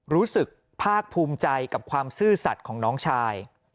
รู้สึกภาคภูมิใจกับความซื่อสัตว์ของน้องชาย